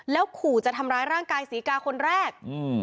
แล้วขู่จะทำร้ายร่างกายศรีกาคนแรก